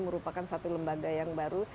merupakan satu lembaga yang baru